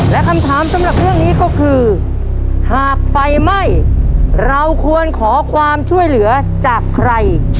และคำถามสำหรับเรื่องนี้ก็คือหากไฟไหม้เราควรขอความช่วยเหลือจากใคร